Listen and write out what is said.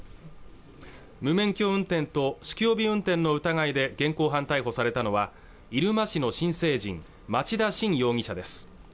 無免許運転と酒気帯び運転の疑いで現行犯逮捕されたのは入間市の新成人町田心容疑者です